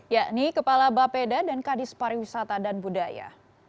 yakni kepala bapeda dan kadis pariwisata dan budaya